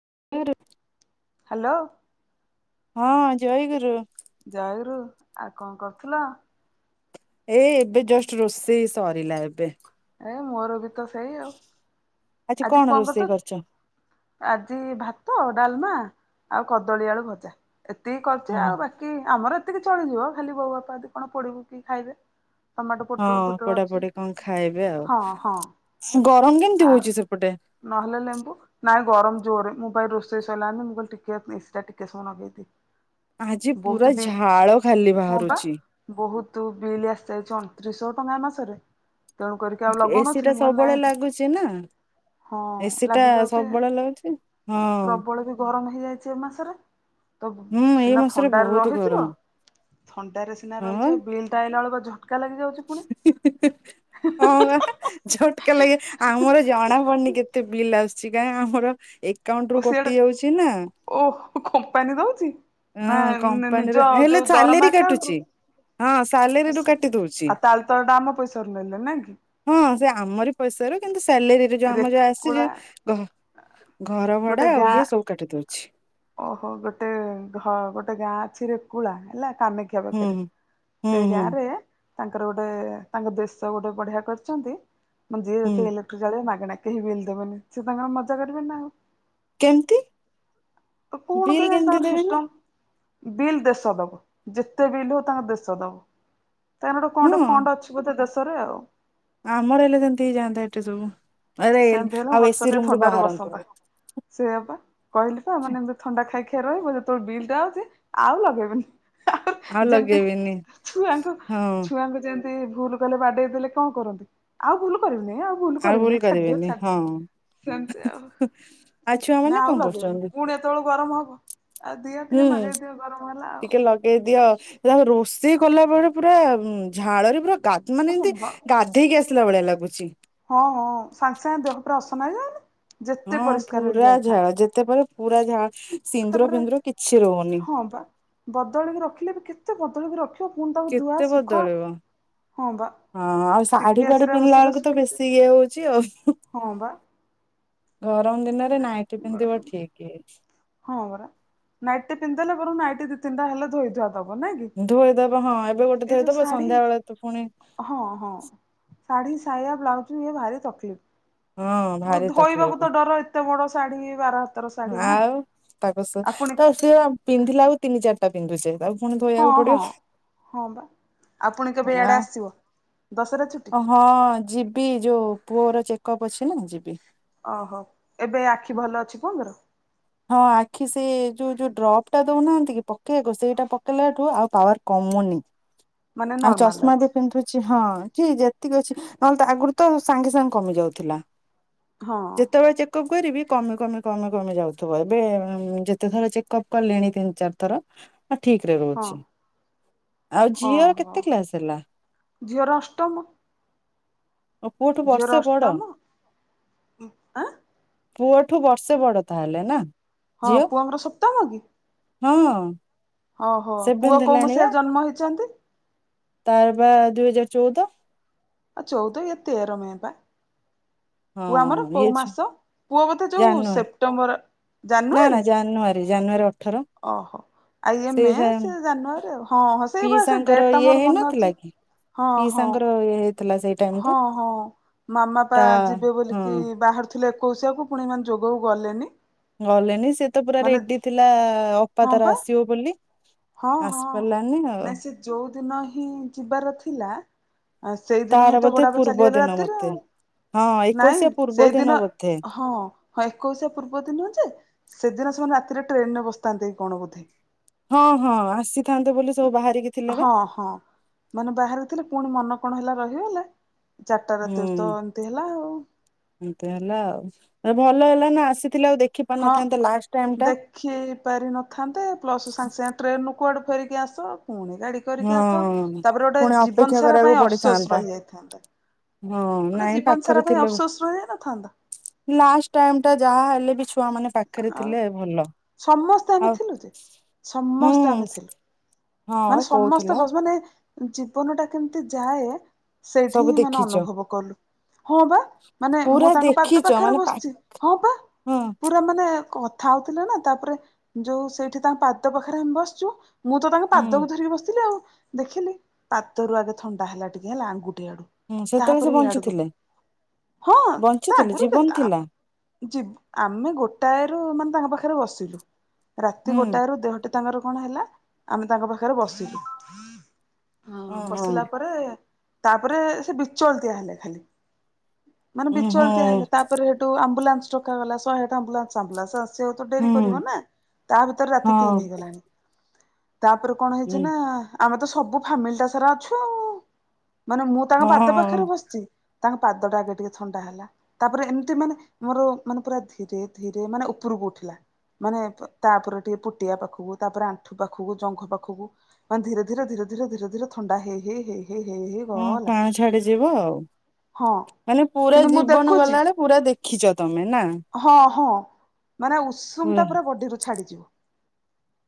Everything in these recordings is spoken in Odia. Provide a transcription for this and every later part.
[unintelligible] ହ୍ୟାଲୋ। ହଁ ଜୟ ଗୁରୁ ଜୟ ଗୁରୁ ଆଉ କଣ କରୁଥିଲ? ଏଇ ଏବେ ଜଷ୍ଟ ରୋଷେଇ ସରିଲା ଏବେ ମୋର ବି ତ ସେଇ ଆଉ ଆଜି କଣ ପୁଅଙ୍କ ରୋଷେଇ ତ କରିଛ? ଆଜି ଭାତ, ଡାଲମା ଆଉ କଦଳୀ ଆଳୁ ଭଜା ଏତିକି କରିୁଛି ଓହୋ ଆଉ ବାକି ଆମର ଏତିକି ଚଳିଯିବ, ଖାଲି ବୋଉ ବାପା ଯଦି କଣ ପୋଡ଼ି କି ଖାଇବେ। ଟମାଟୋ ପୋଟଳ ହଁ ଫୋଟଳ ପୋଡ଼ା ଅଛି ପୋଡ଼ି କଣ ଖାଇବେ ଆଉ। ହଁ ହଁ ଗରମ କେମିତି ଆଉ ହଉଛି ସେପଟେ? ନହେଲେ ଲେମ୍ବୁ ନାଇଁ ଗରମ ଜୋରରେ ମୁଁ ବା ଏଇ ରୋଷେଇ ସଇଲା ଜେନ୍ତି, ମୁଁ କଇଲି ଟିକେ ଏସି ଟା ଟିକେ ସମୟ ଲଗେଇ ଦିଏ। ଆଜି ପୁରା ବହୁତ ବି ଝାଳ ଖାଲି ହଁ ବା ବାହାରୁଛି। ବହୁତ ବିଲ୍ ଆସିଯାଇଛି ତ୍ରିଶହ ଟଙ୍କା ଏ ମାସରେ, ତେଣୁ କରିକି ଆଉ ଏସି ଟା ଲଗଉନଥିଲୁ ମୁଁ କହିଲି ସବୁବେଳେ ନାଇ ଲାଗୁଛି ନା ଏସି ଟା ସବୁବେଳେ ଲାଗୁଛି ହଁ ପ୍ରବଳ ବି ଗରମ ହେଇଯାଇଛି ଏ ମାସରେ। ତ ହୁଁ ଏଇ ସିନା ମାସରେ ଥଣ୍ଡାରେ ବହୁତ ରହିଯିବ ଗରମ। ଥଣ୍ଡାରେ ସିନା ହଁ ରହିଯିବ, ବିଲ୍ ଟା ଆଇଲେ ବେଳକୁ ଝଟକା ଲାଗିଯାଉଛି ପୁଣି। ହଁ ବା ଝଟକା ଲାଗେ ଆ ଆମର ଜଣା ପଡନି କେତେ ବିଲ୍ ଆସୁଛି, କାହିଁ ଆମର ଆଉଣ୍ଟ ଓ ରୁ ସିଆଡେ କଟି ଯାଉଛି ନା। ଓ କମ୍ପାନୀ ଦଉଛି ନା ହଁ କମ୍ପାନୀରେ ନିଜ ହେଲେ ଯୋଉ ସାଲେରୀ ଦରମା ଆକାଉଣ୍ଟ କାଟୁଛି ରୁ ହଁ ସାଲେରୀରୁୁ କାଟି ଦଉଛି। ଆଉ ତାହେଲେ ତଳେ ଟା ଆମ ପଇସାରୁ ନେଲେ ନାଇଁ କି। ହଁ ସେ ଆମରି ପଇସ ର କିନ୍ତୁ ସାଲ ଆମ ଯଉ ଆସି ରେକୁଳା ଘ ଗୋଟେ ଘରଭଡା ଆଉ ଇଏ ଗାଁ ସବୁ କାଟିଦଉଛି। ଓହୋ ଗୋଟେ ଘ ଗୋଟେ ଗାଁ ଅଛିରେ କୁଳା ହେଲା କାମାକ୍ଷା ହୁଁ ପାଖରେ ହୁଁ ସେ ଗାଁ ହୁଁ ରେ ତାଙ୍କର ଗୋଟେ ତାଙ୍କ ଦେଷ ଗୋଟେ ବଢିଆ କରିଛନ୍ତି ମାନେ ଯିଏ ହୁଁ ଯେତେ ଇଲେକ୍ଟ୍ର ଜଳିବା ମାଗଣା କେହି ବିଲ୍ ଦବନି ସେ ତାଙ୍କର ମଜା କରିବେନି ଆଉ କେମିତି? ତ କଣ ବିଲ୍ କେଜାଣି କେମତି ତାଙ୍କର ସିଷ୍ଟମ ଦେବେନି? ବିଲ୍ ଦେଶ ଦବ। ଯେତେ ବିଲ୍ ହେଉ ତାଙ୍କ ଦେଶ ଦବ। ତାହିକି ଗୋଟେ କଣ ଗୋଟେ ଫଣ୍ଡ ଅଛି ବୋଧେ ଦେଶରେ ଆଉ। ଆ ଆମରହେଲେ ସେନ୍ତି ହେଇଜାନତା ଏଠି ସବୁ ଆରେ ସେମିତି ଆଉ ଏସି ରୁମ ରୁ ବହାରାନ୍ତୁନି। ସେିଏ ବା କହିଲି ପା ଏମାନେ ଏମିତି ଥଣ୍ଡା ଖାଇକି ରହିବ ଯେତେବେଳେ ବିଲ୍ ଟା ଆସେ ଆଉ ଲଗେଇବନି। ଆ ଆଉ ଯେମିତି ଲଗେଇବେନି ଛୁଆଙ୍କୁ ହଁ ଛୁଆଙ୍କୁ ଯେମତି- ଭୁଲ କଲେ ବାଡେଇ ଦେଲେ କଣ କରନ୍ତି ଆଉ ଭୁଲ କରିବୁନି ଆଉ ଭୁଲ କରିବୁ ନାି କରିବେନି ହଁ। ଆ ଛୁଆ ନା ମାନେ ଆଉ କଣ ଲଗେଇବୁନି କରୁଛନ୍ତି? ପୁଣି ଏତେବେଳୁ ଗରମ ହବ ଆଉ ଦିହ ଟିକେ ହୁଁ ମଗେଇଦିଅ ଗରମ ହେଲା ଆଉ ତା ରୋଷେଇ କଲା ପରେ ପୁରା ଝାଳରେ ପୁରା ଗାଧ ମାନେ ଏମିତି ଗାଧେଇକି ଆସ ସିଲା ଭଳିଆ ଲାଗୁଛି। ହଁ ହଁ ସାଙ୍ଗେ ସାଙ୍ଗେ ଦେହ ପୁରା ଅସନା ହେଇଯାଉନି? ଯେତେ ହଁ ପରିଷ୍କାର ହେଇକି ପୁରା ଯାଇଥା ଝାଳ ଯେତେ ପରେ ପୁରା ଝାଳ ସିନ୍ଦୁର ତାପରେ ବିିନ୍ଦୁର କିଛି ରହୁନି। ହଁ ବା କୁଣି ତାକୁ ଧୁଆ କେତେ ସୁଖ ବଦଳିବ ହଁ ବା ହଁ ଆଉ ଶାଢୀ ଟିକେ ପାାଢୀ ଆସିରା ପିନ୍ଧିଲା ବସିଲା ବେଳକୁ ତ ଶୁଖିଛି ବେଶୀ ଇଏ ହଉଛି ଆଉ। ହଁ ବା ଗରମ ଦିନରେ ନାଇଟି ପିନ୍ଧିବ ଠିକ। ହଁ ବରା ନାଇଟ୍ ପିନ୍ଧଦଲେ ବର ନାଇଟ୍ ଦି ତିନିଟା ହେଲେ ଧୋଇଦୁଆ ଧୋଇଦବ ହଁ ଏବେ ଗୋଟେ ଏଇ ଯୋଉ ଧୋଇଦବ ଶାଢୀ ସନ୍ଧ୍ୟା ବେଳେ ତୁ ପୁଣି ହଁ ହଁ ଶାଢୀ ସାଇବା ବ୍ଲାଉଜ ଇଏ ଭାରି ହଁ ତକଲିଫ ଭାରି ତକଲିଫ ଧୋଇବାକୁ ତ ଡର ଏତେ ବଡ ସାଢ ବାର ହାତର ସାଢ ନା। ତାଙ୍କ ଆଉ ପୁଣି ସହ ଆ ସଏ ପିନ୍ଧିଲା ଆଉ ତିନି ଚାରିଟା ପିନ୍ଧୁଛେ ପୁଣି ହଁ ଧୋଇବାକୁପଡିବ ହଁ ହଁ ବା ଆଉ ପୁଣି କେବେ ଇଆଡେ ଆସିବ ଦଶହରା ଛୁଟି ଆଁ ହଁ ଯିବି ଯୋଉ ପୁଅର ଚେକଅପ ଅଛି ନା ଯିବି। ଓହୋ ଏବେ ଆଖି ଭଲ ଅଛି ବୋଉଙ୍କର। ହଁ ଆଖି ସେ ଯୋଉ ଯୋଉ ଡ୍ରପ୍ ଟା ଦଉନାହାନ୍ତି କି ପକେଇବାକୁ ସେଇଟା ପକେଇଲା ଠୁ ଆଉ ପାୱାର କମ। କମୁନି ମାନେ ଆଉ ନର୍ମାଲ ଚଷମା ଅଛି। ବି ପିନ୍ଧୁଛି ହଁ। ଠ ଯେତିକି ଅଛି ନହେଲେ ଆଗରୁ ତ ସାଙ୍ଗେ ସାଙ୍ଗେ କମି ଯାଉଥିଲା ହଁ ଯେତେବେଳେ ଚେକ। କରିବି କମେ କମେ କମେ କମି ଯାଉଛି। ଏବେ ଯେତେ ଥର ଚେକଅପ କଲେଣି ତିନି ଚାର ଥର। ହଁ ଠିକରେ ହଁ ରହୁଛି। ଆଉ ଝିଅର ଓହୋ କେତେ କ୍ଲାସ ହେଲା? ଝିଅର ଅଷ୍ଟମ ଓ ପୁଅଠୁ ଝିଅର ବର୍ଷେ ବଡ। ଅଷ୍ଟମ ଆଁ ପୁଅଠୁ ବର୍ଷେ ବଡ ତାହେଲେ ନା। ହଁ ଝିଅ ପୁଅଙ୍କର ସପ୍ତମ କି। ହଁ। ଓହୋ ପୁଅ ସେଭେନ୍ଥ କୋଉ ହେଲାଣି ବା ମସିିହରେ ଜନ୍ମ ହେଇଛନ୍ତି। ତାର ବା ଦୁଇ ହଜାର ଚଉଦ। ଆଉ ଚଉଦ ଏ ତେର ମେ ବା। ପୁଅ ହଁ ଆମର ଇଏ କୋଉ ମାସ ପୁଅ ବୋଧେ ଯୋଉ ଜାନୁଆରୀ ସେପ୍ଟେମ୍ବର। ନା ନା ଜାନୁଆରୀ ଜାନୁଆରୀ ଜାନୁଆରୀ ଅଠର। ଆ ଇଏ ମେ ସେଇ ସେ ଜାନୁଆରୀ ଆଊ, ହଁଁ ହଁ ସେଇପା ସେଇ ପିଇସାଙ୍କର ଡେଟ୍ ଟା ଇଏ ମୋର ମନେ ହେଇନଥିଲା ଅଛି। କି ହଁ, ହଁ, ପିଇସାଙ୍କର ଇଏ ହେଇଥିଲା ସେଇ ଟାଇମ କୁ ହଁ, ହଁ ମାମା ତା ଯିବେ ହଁ ବୋଲିକି ବାହାର ଥିଲେ ଏକୋଇଶିଆକୁ ପୁଣି ଏ ମାନେ ଯୋଗକୁ ଗଲେନି। ଗଲେନି ସେ ତ ପୁରା ମାନେ ରେଡି ଥିଲା ଅପା ହଁ ତାର ପା ଆସିବ ବୋଲି। ହଁ, ହଁ ଆସି ପାରିଲାନି ଆଉ ନାଇଁ ସେ ଯୋଉ ଦିନ ହିଁ ଯିବାର ଥିଲା ଆଉ ସେଇଦିନ ହିଁ ତାର ତ ବୋଧେ ବଡବାପା ପୂର୍ବ ଚାଲିଗଲେ ଦିନ ରାତିରେ ମତେ ଆଉ। ହଁ ନାଇଁ ଏକୋଇଶିଆ ପୂର୍ବ ଦିନ ସେଇଦିନ ବୋଧେ ହଁ ହଁ ଏକୋଇଶିଆ ପୂର୍ବ ଦିନ ଯେ ସେଦିନ ସେମାନେ ରାତିରେ ଟ୍ରେନ୍ ରେ ବସିଥାନ୍ତେ କି କଣ ବୋଧେ। ହଁ ହଁ ଆସିଥାନ୍ତେ ବୋଲି ସବୁ ବାହାରିକି ଥିଲେ ବା ହଁ, ହଁ ମାନେ ବାହାରି ଥିଲେ। ପୁଣି ମନ କଣ ହେଲା ରହିଗଲେ। ଚାରଟା ହୁଁ ରାତିରୁ ତ ଏମିତି ହେଲା ଆଉ। ଏ ଭଲ ହେଲା ନା ଆସି ହଁ ଦେଖି ପାରିନଥାନ୍ତେ। ପ୍ଲସ୍ ସାଙ୍ଗେ ସାଙ୍ଗେ ଟ୍ରେନ୍ ରୁ କୁଆଡୁ ଫେରିକି ଆସ ପୁଣି ଗାଡି କରିକି ଆସ ହଁ ତାପରେ ଗୋଟେ ପୁଣି ଅପେକ୍ଷା ଜୀବନ ସାରା କରିବାକୁ ପାଇଁ ଅଫସୋସ ପଡିଥାନ୍ତା ରହି ଯାଇଥାନ୍ତା। ହଁ ନାଇଁ ପାଖରେ ଥିଲେ ରହିଯାଇନଥାନ୍ତା ଲାଷ୍ଟ ଟାଇମ୍ ଟା ଯାହା ହେଲେ ବି ଛୁଆ ମାନେ ପାଖରେ ଆଉ ଥିଲେ ଭଲ। ସମସ୍ତେ ଆମେ ଆଉ ଥିଲୁ ଯେ ହୁଁ ସମସ୍ତେ ଆମେ ଥିଲୁ ମାନେ ହଁ। ସମସ୍ତେ କହୁଥିଲା ବସ ମାନେ ଜୀବନ ଟା କେମିତି ଯାଏ ସେଇଠି ସବୁ ହିଁ ମାନେ ଦେଖିଛ ଅନୁଭବ କଲୁ। ହଁ ପା ମାନେ ମୁଁ ପୁରା ତାଙ୍କ ପାଦ ଦେଖିଛ ପାଖରେ ମାନେ ପା ବସିଛି ହଁ ପା ହଁ ପୁରା ମାନ ନେ କଥା ହଉଥିଲେ ନା ତାପରେ ଯୋଉ ସେଇଠି ତାଙ୍କ ପାଦ ପାଖରେ ଆମେ ବସିଚୁ ମୁଁ ତ ତାଙ୍କ ହୁଁ ପାଦକୁ ଧରିକି ବସିଥିଲି ଆଉ। ଦେଖିଲି ପାଦରୁ ଆଗେ ଥଣ୍ଡା ହେଲା ଟିକେ ହେଲା ଆଙ୍ଗୁ ଠି ଆଡୁ ହୁଁ ସେତେବେଳେ ସେ ତାପରେ ଇଆଡକୁ। ବଞ୍ଚିଥିଲେ ହଁ ତା ବଞ୍ଚିଥିଲେ ଆଗରୁ ଜୀବନ କେତେ ଆ, ଥିଲା ଜିବ୍ ଆମେ ଗୋ ଟାଏ ରୁ ମାନେ ତାଙ୍କ ପାଖରେ ବସିଲୁ। ରାତି ହୁଁ ଗୋଟାଏ ରୁ ଦେହଟା ତାଙ୍କର କଣ ହେଲା ଆମେ ତାଙ୍କ ପାଖରେ ବସିଲୁ। ହଁ ଓହୋ ବସିଲା ପରେ ତାପରେ ସେ ବିଚଳତିଆ ହେଲେ ଖାଲି। ମାନେ ହୁଁ ହୁଁ ବିଚଳତିଆ ହେଲେ। ତାପରେ ସେଠୁ ଆମ୍ବୁଲାନ୍ସ ଡକାଗଲା। ଶହେ ଆଠ ଆମ୍ବୁଲାନ୍ସ। ଆମ୍ବୁଲାନ୍ସ ଆସ ସେ ହୁଏତ ଡେରି କରିବ ନା ତା ଭିତରେ ହଁ ରାତି ତିନି ହଁ ହେଇଗଲାଣି। ତାପରେ କଣ ହେଇଚି ହୁଁ ନା ଆମେ ତ ସବୁ ଫାମିଲି ଟା ସାରା ଅଛୁ ଆଉ। ମାନେ ମୁଁ ତାଙ୍କ ପାଦ ପାଖରେ ବସିଚି। ତାଙ୍କ ପାଦ ଟା ଆଗେ ଟିକେ ଥଣ୍ଡା ହେଲା। ତାପରେ ଏମିତି ମାନେ ମୋର ମାନେ ପୁରା ଧି ଧୀରେ ଧୀରେ ମାନେ ଉପରକୁ ଉଠିଲା। ମାନେ ପ-ତାପରେ ଟିକେ ପୁଟିଆ ପାଖକୁ, ତାପରେ ଆଣ୍ଠୁ ପାଖକୁ, ଜଙ୍ଘ ପାଖକୁ, ମାନେ ଧୀରେ ଧୀରେ ଧୀରେ ଧୀରେ ଧୀରେ ଧୀରେ ଥଣ୍ଡା ହେଇ ହେଇ ହେ ହଁ ପାଣି ଛାଡି ଯିବ ଆଉ। ହଁ। ମାନେ ପୁରା କିନ୍ତୁ ମୁଁ ଜୀବନ ଦେଖୁଛି ଗଲାବେେଳେ ପୁରା ଦେଖିଚ ତୋମେ ନା? ହଁ ହଁ ମାନେ ଉଷୁମ ଟା ପୁରା ବଡିରୁ ଛାଡିଯିବ।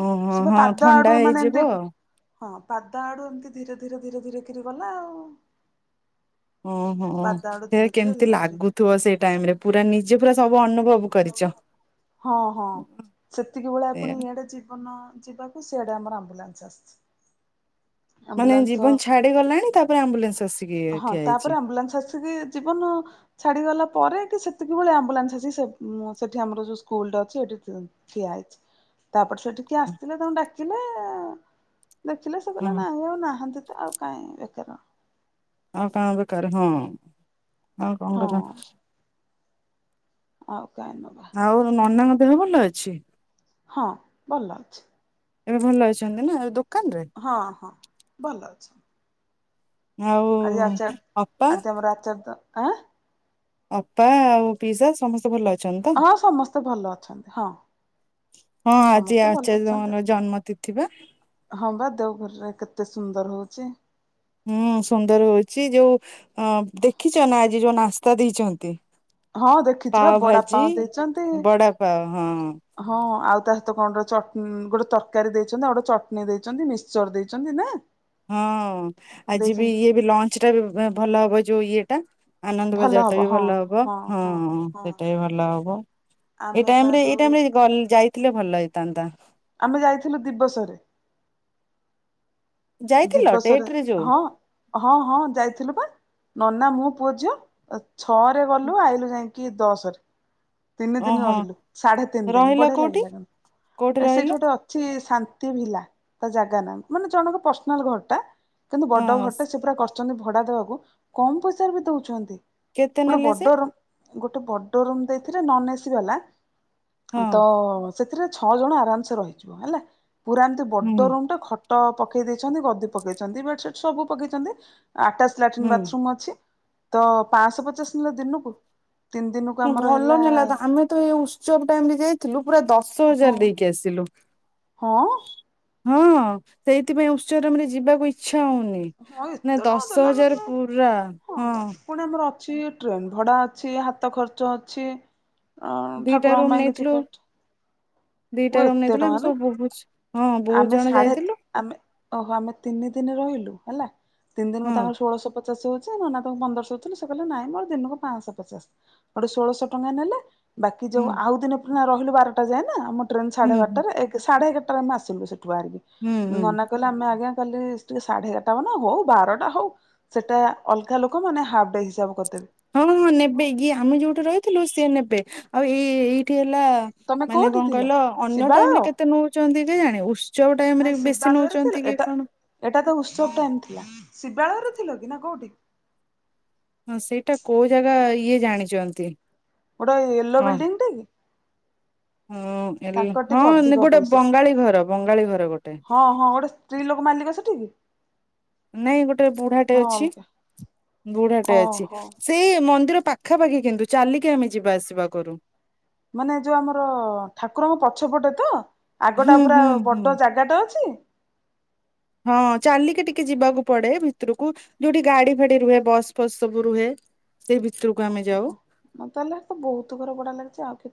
ଓହୋ ସେ ପା ହଁ ପାଦ ଥଣ୍ଡା ଆଡୁ ମାନେ ହେଇଯିବ ଏମତି ହଁ ପାଦ ଆଡୁ ଏମିତି ଧୀରେ ଧୀରେ ଧୀରେ ଧୀରେ କିରି ଗଲା ଆଉ। ଓହୋ ପାଦ ଆଡୁ ସେ ଧୀରେ ଧୀରେ କେମିତି ଧୀରେ ଧୀରେ ଲାଗୁଥୁବ ସେଇ ଟାଇମ୍ ରେ ପୁରା ନିଜେ ପୁରା ସବ୍ ହଁ ପା ହଁ ହଁ ସେତିକି ବେଳେ ଏ ଆପଣ ଇଆଡେ ଜୀବନ ଯିବାକୁ ସିଆଡେ ଆମର ଆମ୍ବୁଲାନ୍ସ ଆସିଛି। ମାନେ ଆମ୍ବୁଲାନ୍ସ ଜୀବନ ଛାଡି ଗଲାଣି ତାପରେ ଆମ୍ବୁଲାନ୍ସ ଆସିକି ହଁ ଠିଆ ହେଇଛି ତାପରେ ଆମ୍ବୁଲାନ୍ସ ଆସିକି ଜୀବନ ଛାଡିଗଲା ପରେ କି ସେତିକି ବେଳେ ଆମ୍ବୁଲାନ୍ସ ଆସ ଚି ସେ ମୋ ଆମର ଯୋଉ ସ୍କୁଲ୍ ଟା ଅଛି ସେଠି ଠିଆ ହେଇଛି। ତାପରେ ସେଠିକି ଆସିଥିଲେ ତାଙ୍କୁ ଡାକିଲେ ଦେଖିଲେ ସେ କହିଲେ ହଁ ନାହିଁ। ଆଉ ନାହାନ୍ତି ତ ଆଉ କାଇଁ ବେକାର। ଆଉ କାଣ ବି କରିଭୁଁ। ଆଉ କଣ ହଁ [unintelligible] ଆଉ କାଇ? ଆଉ ନନାଙ୍କ ଦେହ ଭଲ ଅଛି? ହଁ ଭଲ ଅଛି। ଏବେ ଭଲ ଅଛନ୍ତି ନା ଦୁଃ ହଁ ହଁ ଭଲ ଅଛି। ଆଉ ଆଜି ଆଚାର ଅପା ଆଜି ଆମର ଆଚାର ତ ଆଁ। ଅପା ଆଉ ପିଇସା ସମସ୍ତେ ଭଲ ଅଛନ୍ତି ତ ହଁ ସମସ୍ତେ ଭଲ ଅଛନ୍ତି ହଁ। ହଁ ଆଜି ସମସ୍ତେ ଭଲ ଆଚାର୍ଯ୍ୟ ଅଛନ୍ତି। ମାନଙ୍କର ଜନ୍ମ ତିଥି ବା ହଁ ବା ଦେଉ ପୁର୍ ରେ କେତେ ସୁନ୍ଦର ହଉଛି। ହୁଁ ସୁନ୍ଦର ହଉଛି ଯୋଉ ଅ ଦେଖିଛ ନା ଆଜି ଯୋଉ ନାସ୍ତା ଦେଇଛନ୍ତି। ହଁ ଦେଖିଛିି ବା ପାଓ ବଡା ଭାଜି ପାଓଁ ଦେଇଛନ୍ତି ବଡା ପାଓ ହଁ ହଁ ଆଉ ତା ସହିତ କଣ ଟେ ଚଟ୍ ଗୋଟେ ତରକାରୀ ଦେଇଛନ୍ତି ଆଉ ଗୋଟେ ଚଟଣୀ ଦେଇଛନ୍ତି ମିକ୍ସଚର ଦେଇଛନ୍ତି ନା ହଁ ଆଜି ବି ଦେଇଛନ୍ତି ଇଏ ବି ଲଞ୍ଚ ଟା ବି ଭଲ ହବ ଯୋଉ ଇଏ ଟା। ଆନନ୍ଦ ଭଲ ବଜାର ଟା ହବ ବି ହଁ ଭଲ ହବ ହଁ ହଁ ସେଇଟା ବି ଭଲ ହବ। ଏଇ ଆମେ ଟାଇମ୍ ପା ରେ ଏଇ ଯୋଉ ଟାଇମ୍ ରେ ଗଲ୍ ଯାଇଥିଲେ ଭଲ ହେଇଥାନ୍ତା। ଆମେ ଯାଇଥିଲୁ ଦିବସରେ। ଯାଇଥିଲ ଦିବସରେ ଡେଟ ରେ ଯୋଉ ହଁ। ହଁ ହଁ ଯାଇଥିଲୁ ପା ନନା ମୁଁ ପୁଅ ଝିଅ ଛଅରେ ଗଲୁ ଆଇଲୁ ଯାଇ କି ଦସ ରେ। ତିନି ଦିନ ଓହୋ ରହିଲୁ ସାଢେ ତିନି ଦିନ ରହିଲ ବଢିଆ କୋଉଠି ଲାଗିଲା କୋଉଠି ସେଇଠି ରହିଲ ଗୋଟେ ଅଛି ସା ନ୍ତି ଭିଲା ତା ଜାଗା ନା ମାନେ ଜଣଙ୍କ ପର୍ସନାଲ୍ ଘରଟା କିନ୍ତୁ ବଡ ହଁ ଘରଟା ସେ ପୁରା କର୍ ଚନ୍ତି ଭଡା ଦବାକୁ କମ୍ ପଇସାରେ ବି ଡୋଉଛନ୍ତି। କେତେ ନେଲେ ଯେ? ଗୋଟେ ବଡ ରୁମ୍ ଦେଇଥିଲେ ନନ୍ ଏସି ବାଲା ହଁ ତ ସେ ଥିରେ ଛଅ ଜଣ ଆରାମ୍ ସେ ରହିଯିବ ହେଲା ପୁରା ଏମିତି ବଡ ହୁଁ ରୁମ୍ ଟା ଖଟ ପକେ କେଇ ଦେଇଛନ୍ତି ଗଦି ପକେଇଛନ୍ତି ବେଡସିଟ ସବୁ ପକେଇଛନ୍ତି ଆଟାଚ୍ ଲାଟିନ୍ ହୁଁ ବାଥରୁମ୍ ଅଛି। ତ ପାଂସ ପଚାଶ ନେଲେ ଦିନୁକୁ ତିନି ଦିନକୁ ଆମ ଭଲ ନେଲା ତ ଆମେ ତ ଏଇ ଉତ୍ସବ ଟାଇମ୍ ରେ ଯାଇଥିଲୁ ପୁରା ଦଶ ହଁ ହଜାର ଦେଇକି ଆସିଲୁ। ହଁ? ହଁ ସେଇଥିପାଇଁ ଉତ୍ସବ୍ ଆମର ଯିବାକୁ ଇଚ୍ଛା ତାଉନି ହଁ ନା ଏତେ ଟଙ୍କା ଦଶ ଦେଲା ହଜାର ଆପଣ ପୁରା ହଁ। ଛି ଟ୍ରେନ ଭଡା ଅଛି ହାତ ଖର୍ଚ୍ଚ ଅଛି। ଅ ଦିଟା ଠାକୁରଙ୍କ ରୁମ୍ ପାଇଁ କିଛି ନେଇଥିଲୁ ଖର୍ଚ୍ଚ ଓ ଦିଟା ରୁମ୍ ଏତେ ନେଇଥିଲୁ ଆମେ ଟଙ୍କା ନା ସବୁ ବହୁତ ହଁ ବହୁତ ଆମେ ଜଣ ସାଢେ ଯାଇଥିଲୁ ଆମେ ଓହୋ ଆମେ ତିନି ଦିନି ରହିଲୁ ହେଲା ତିନି ଦିନ୍ କୁ ହଁ ତାଙ୍କର ଷୋଳଶ ପ ଚାଶ୍ ହୋଉଛି ନନା ତାଙ୍କୁ ପନ୍ଦରଶ ଦୋଉ ଥିଲେ ସେ କହିଲେ ନାଇଁ ମୋର ଦିନକୁ ପାଂସ ପଚାସ୍ ହେଟୁ ଷୋଳଶ ଟଙ୍କା ନେଲେ ବାକି ହୁଁ ଯୋଉ ଆଉ ଦିନେ [unintelligible] ରହିଲୁ ବାରଟା ଯାଏ ଆମ ଟ୍ରେନ୍ ହୁଁ ସାଢେ ହୁଁ ବାରଟାରେ ସାଢେଗାରଟାରେ ଆମେ ଆସିଲୁ ସେ ଠୁ ଆଇଲୁ ହୁଁ ହୁଁ ନନା କହିଲେ ଆମେ ଆଜ୍ଞା କାଲି ଟିକେ ସାଢେ ଏଗାର୍ ଟା ହବ ନା ହଉ ବାରଟା ହଉ ସେଟା ଅଲଗା ଲୋକମାନେ ହାପ୍ ଡେ ହିସାବ କରିଦେବେ। ହଁ ହଁ ନେବେ ଇଏ ଆମେ ଯୋଉଠି ରହିଥିଲୁ ସିଏ ନେବେ ଆଉ ଏ ଏ ଏଇଠି ଥିଲା ତମେ ମାନେ କୋଉଠି କଣ ଥିଲ କହିଲ ଅନ୍ୟ ଟାଇମ୍ ରେ ଶିବାଳୟ କେତେ ନୋଉଛନ୍ତି କେଜାଣି ଉତ୍ସବ ଟାଇମ୍ ନାଇଁ ରେ ବେଶୀ ନୋଉ ଶିବାଳୟରେ ଥିଲ ଛନ୍ତି କି ଏଟା କଣ। ଏଟା ତ ଉତ୍ସବ ଟାଇମ୍ ଥିଲା ଶିବାଳୟରେ ଥିଲ କି ନା କୋଉଠି? ହଁ ସେଇଟା କୋଉ ଜାଗା ଇଏ ଜାଣିଚନ୍ତି। ଗୋଟେ ଏଲୋ ବିଲ୍ ଡିଂ ଟେ କି? ହଁ ଏଲୋ ତାଙ୍କର ହଁ ଟିକେ ନା ଅଧିକ ଗୋଟେ ପଇସା ବଙ୍ଗାଳୀ ଘର ବଙ୍ଗାଳୀ ଘର ଗୋଟେ। ହଁ ହଁ [unintelligible] ମାଲିକ ସେଠି କି? ନାଇଁ ଗୋଟେ ବୁଢାଟେ ନା ଅଛି ଅଲଗା ବୁଢାଟେ ଅଛି ଓହୋ ସେଇ ମନ୍ଦିର ପାଖାପାଖି କିନ୍ତୁ ଚାଲିକି ଆମେ ଯିବା ଆସିବା କରୁ। ମାନେ ଯୋଉ ଆମର ଠାକୁରଙ୍କ ପଛପଟେ ତ? ହୁଁ ଆଗଟା ପୁରା ହୁଁ ହୁଁ ବଡ ଜାଗା ଟା ଅଛି। ହଁ ଚାଲିକି ଟିକେ ଯିବାକୁ ପଡେ ଭିତରକୁ ଯୋଉଠି ଗାଡି ଫାଡି ରୁହେ ବସ୍ ଫସ୍ ସବୁ ରୁହେ। ସେଇ ଭିତରକୁ ଆମେ ଯାଉ। ମତେହେଲେ ବହୁତ ଘର ବଢିଆ ଲାଗୁଛି ଆଉ କିୁ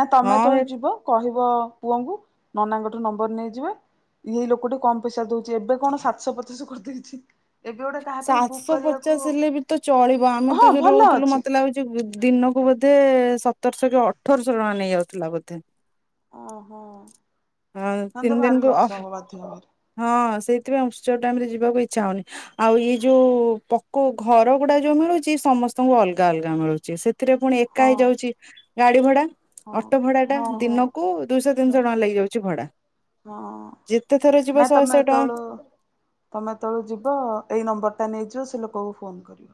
ନା ହଁ ତମେତେବେଳେ ଏ ଯିବ କହିବ ପୁଅଙ୍କୁ ନନାଙ୍କଠୁ ନମ୍ବର ନେଇଯିବା ଏଇଇ ଲୋକଟି କମ ପଇସା ଦଉଛି ଏବେ କଣ ସାତଶହ ପଚାଶ କରିଦେଇଛି। ଏବେ ଗୋଟେ କାହା ପାଇଁ ବୁକ୍ ସାତଶହ କରିବାକୁ ପଚାଶ ହେଲେ ବି ତ ଚଳିବ ଆମେ ତ ହଁ ଯୋଉ ଭଲ ରହୁଥିଲୁ ଅଛି ମତେ ଲାଗୁଛି ଦିନକୁ ବୋଧେ ସତରଶ କି ଅଠରଶହ ଟଙ୍କା ନେଇଯାଉଥିଲା ବୋଧେ। ଓହୋ। ହଁ ତିନି ତ ଭାରି ଦିନକୁ ଅ ଲସ୍ ହବ ବାଧ୍ୟ ହବରେ ହଁ ସେଇଥିପାଇଁ ଉ୍ଚ ଟାଇମ ରେ ଯିବାକୁ ଇଚ୍ଛା ହଉନି ଆଉ ଇ ଯଉ ପୋକ ଘର ଗୁଡା ଯୋଉ ମିଳୁଛି ସମସ୍ତଙ୍କୁ ଅଲଗା ଅଲଗା ମିଳୁଛି ସେଥିରେ ପୁଣି ଏକା ହଁ ହେଇଯାଉଛି ଗାଡି ଭଡା ହଁ ଅଟୋ ଭଡା ଟା ହଁ ଦିନକୁ ହଁ ଦିଇଶହ ତିନିଶହ ଟଙ୍କା ଲାଗିଯାଉଛି ଭଡା ହଁ ଯେତେ ଥର ଯିବ ନାଇଁ ଶହେ ତମେ ଶହେ ଟଙ୍କା ତେଳୁ ତମେ ତେଳୁ ଯିବ ଏଇ ନମ୍ବର ଟା ନେଇଯ ସେ ଲୋକଙ୍କୁ ଫୋନ କରିବ।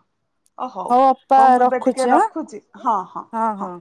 ଓ ହଉ ଅପା ହଉ ମୁଁ ଏବେ ରଖୁଛି ଟିକେ ଆଁ ରଖୁଛି ହଁ ହଁ ହଁ।